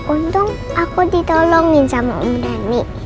untung aku ditolongin sama om dhani